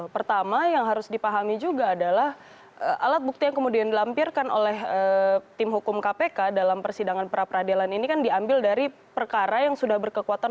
pertama yang harus dipahami juga adalah alat bukti yang kemudian dilampirkan oleh tim hukum kpk dalam persidangan pra peradilan ini kan diambil dari perkara yang sudah berkekuatan